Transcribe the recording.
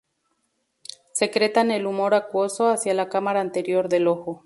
Secretan el humor acuoso hacia la "cámara anterior del ojo.